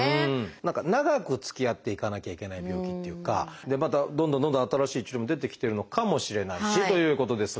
何か長くつきあっていかなきゃいけない病気っていうかまたどんどんどんどん新しい治療も出てきてるのかもしれないしということですが。